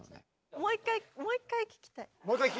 もう一回もう一回聴きたい！